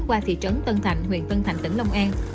qua thị trấn tân thạnh huyện tân thành tỉnh long an